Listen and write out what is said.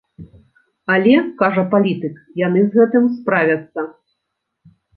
Але, кажа палітык, яны з гэтым справяцца.